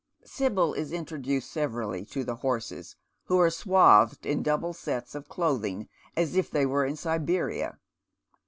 Sibyl is inti'oduced severally to the horses, who are swathed in double sets of clothing, as if they were in Siberia.